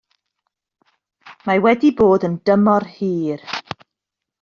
Mae wedi bod yn dymor hir